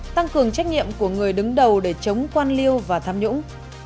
tăng cường trách nhiệm của người đứng đầu để chống quan liêu và tham nhũng